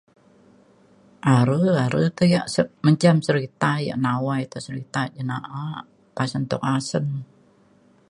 are are ka ia’ se- menjam serita ia’ nawai kak serita jin na’a pasen tuk asen